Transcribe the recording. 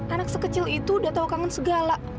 anak sekecil itu udah tahu kangen segala